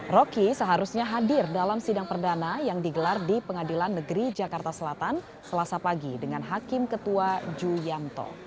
roky seharusnya hadir dalam sidang perdana yang digelar di pengadilan negeri jakarta selatan selasa pagi dengan hakim ketua ju yamto